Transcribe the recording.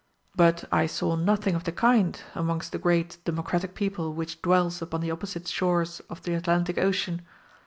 But I saw nothing of the kind amongst the great democratic people which dwells upon the opposite shores of the Atlantic Ocean.